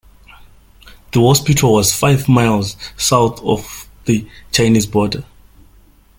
The hospital was five miles south of the Chinese border.